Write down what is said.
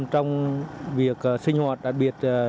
trong việc sinh hoạt đặc biệt